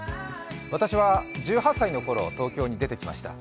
私は１８歳のころ、東京に出てきました。